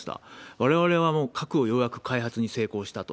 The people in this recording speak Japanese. われわれはもう核をようやく開発に成功したと。